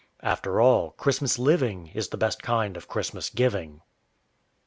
_" After all, Christmas living is the best kind of Christmas giving.